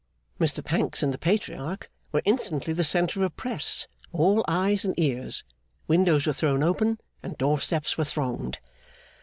Mr Pancks and the Patriarch were instantly the centre of a press, all eyes and ears; windows were thrown open, and door steps were thronged.